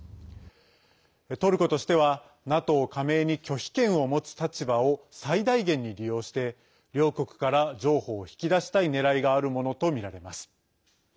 トルコとしてはＮＡＴＯ加盟に拒否権を持つ立場を最大限に利用して両国から譲歩を引き出したいねらいがあるものとみられます。